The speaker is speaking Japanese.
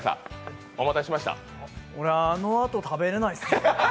俺、あのあと食べられないっすよ。